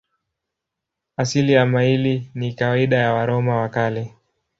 Asili ya maili ni kawaida ya Waroma wa Kale.